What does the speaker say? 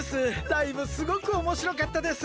ライブすごくおもしろかったです。